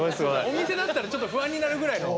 お店だったらちょっと不安になるぐらいの。